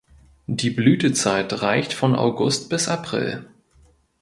Die Blütezeit reicht von August bis April.